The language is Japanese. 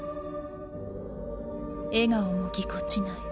笑顔もぎこちない